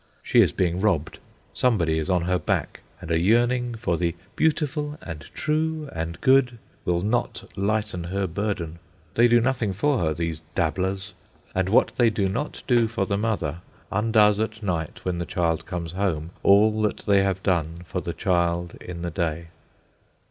She is being robbed. Somebody is on her back, and a yearning for the Beautiful and True and Good will not lighten her burden. They do nothing for her, these dabblers; and what they do not do for the mother, undoes at night, when the child comes home, all that they have done for the child in the day.